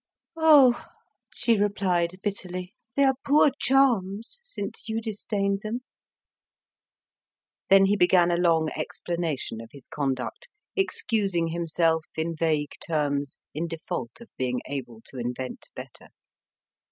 "Oh," she replied bitterly, "they are poor charms since you disdained them." Then he began a long explanation of his conduct, excusing himself in vague terms, in default of being able to invent better.